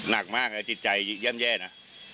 น่ากมากฮะจิตใจแย่มนะ